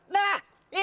hah hah hah